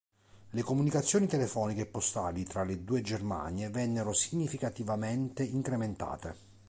Le comunicazioni telefoniche e postali tra le due Germanie vennero significativamente incrementate.